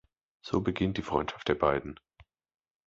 So beginnt die Freundschaft der beiden.